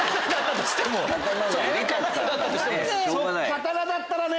刀だったらね！